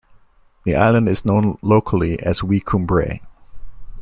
The island is known locally as Wee Cumbrae.